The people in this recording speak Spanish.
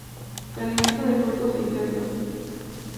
Se alimenta de frutos e insectos.